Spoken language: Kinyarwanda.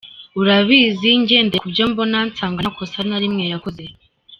Urabizi, ngendeye ku byo mbona nsanga nta kosa na rimwe yakoze.